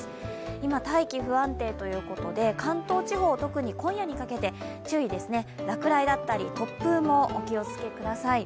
今、大気不安定ということで関東地方、特に今夜にかけて注意ですね、落雷だったり突風もお気をつけください。